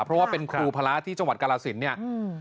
เพราะว่าเป็นครูพระที่จังหวัดกาลสินเนี่ย